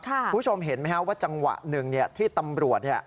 คุณผู้ชมเห็นไหมครับว่าจังหวะหนึ่งที่ตำรวจ